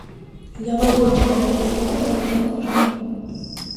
«լավագույն չար դերակատար» անվանակարգում։